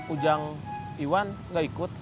ujang iwan gak ikut